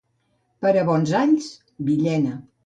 Per a bons alls, Villena.